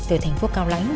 từ thành phố cao lãnh